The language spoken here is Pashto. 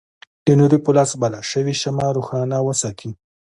د نوري په لاس بله شوې شمعه روښانه وساتي.